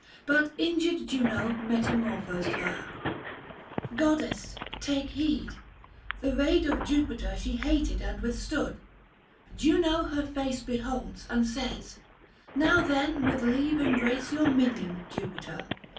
But injured Juno metamorphosed her — Goddess, take heed ! The raid of Jupiter 180 She hated and withstood :— Juno, her face Beholds and says, " Now then with leave embrace Your minion, Jupiter."